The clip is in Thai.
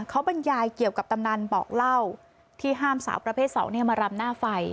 เขาบรรยายเกี่ยวกับตำนานบอกเล่าที่ห้ามสาวประเภท๒มารำหน้าไฟ